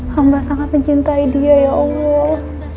hamba sangat mencintai dia ya allah